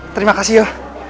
terima kasih yuk